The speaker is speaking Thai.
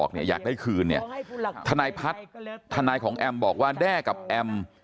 ถ้านายพัฒอัมบอกว่าแด้กับแอม